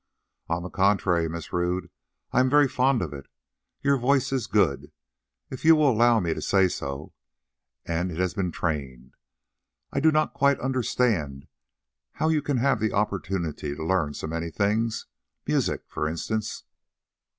"On the contrary, Miss Rodd, I am very fond of it. Your voice is good, if you will allow me to say so, and it has been trained. I do not quite understand how you can have had the opportunity to learn so many things—music, for instance."